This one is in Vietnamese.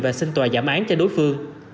và xin tòa giảm án cho đối phương